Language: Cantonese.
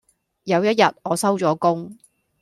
有一日我收咗工